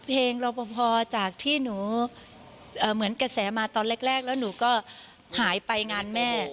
รอปภจากที่หนูเหมือนกระแสมาตอนแรกแล้วหนูก็หายไปงานแม่